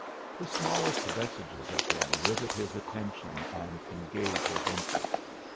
The smallest vestiges of them rivet his attention and engage his interest.